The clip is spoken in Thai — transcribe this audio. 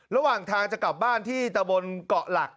ระหว่างทางจะกลับบ้านที่ตะบนเกาะหลัก